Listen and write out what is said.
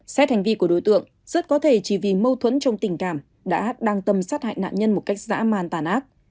xét hành vi của đối tượng rất có thể chỉ vì mâu thuẫn trong tình cảm đã đang tâm sát hại nạn nhân một cách dã man tàn ác